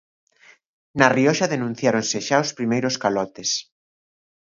Na Rioxa denunciáronse xa os primeiros calotes.